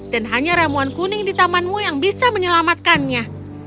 dan hanya ramuan kuning di tamanmu yang bisa menyelamatkannya